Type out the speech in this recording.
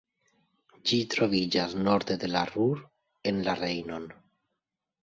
Ĝi troviĝas norde de la Ruhr en la Rejnon.